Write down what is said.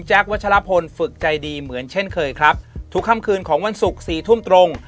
วัชลพลฝึกใจดีเหมือนเช่นเคยครับทุกค่ำคืนของวันศุกร์สี่ทุ่มตรง